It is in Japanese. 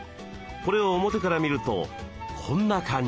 これを表から見るとこんな感じ。